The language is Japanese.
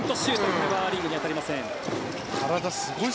これはリングに当たりません。